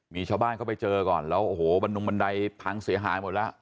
มีชาวบ้านเข้าไปเจอก่อนแล้วโอ้โหบรรดุงบันไดพังเสียหายหมดแล้ว